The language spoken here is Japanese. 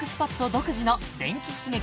独自の電気刺激